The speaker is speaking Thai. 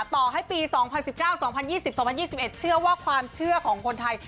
ต่อให้ปี๒๐๑๙๒๐๒๐๒๐๒๑เชื่อว่าความเชื่อของคนไทย